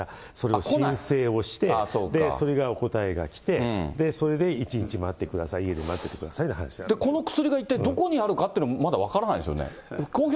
それを申請をして、それが答えが来て、それで１日待ってください、家で待っててくだこの薬が一体、どこにあるかっていうのは、まだ分からないんですよね。